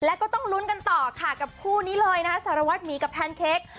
แล้วก็ต้องลุ้นกันต่อค่ะกับคู่นี้เลยนะคะสารวัตรหมีกับแพนเค้ก